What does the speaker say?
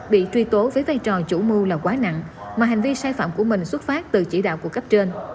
bị truy tố với vai trò chủ mưu là quá nặng mà hành vi sai phạm của mình xuất phát từ chỉ đạo của cấp trên